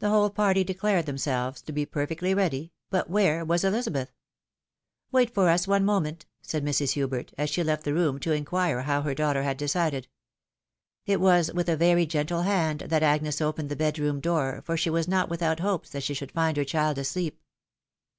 The whole party declared themselves to be perfectly ready, but where was Ehzabeth ?" Wait for us one moment 1 " said Mrs. Hubert, as she left the room to inquire how her daughter had decided. It was with a very gentle hand that Agnes opened the bedroom door, for she was not without hopes that she should find her child asleep.